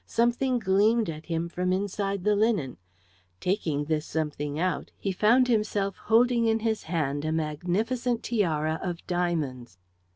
Something gleamed at him from inside the linen. Taking this something out he found himself holding in his hand a magnificent tiara of diamonds.